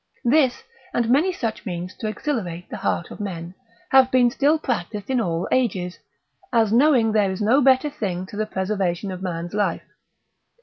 This and many such means to exhilarate the heart of men, have been still practised in all ages, as knowing there is no better thing to the preservation of man's life.